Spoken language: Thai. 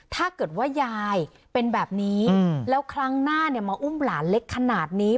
ถ้าเกิดว่ายายเป็นแบบนี้แล้วครั้งหน้ามาอุ้มหลานเล็กขนาดนี้